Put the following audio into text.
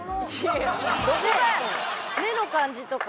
目の感じとか。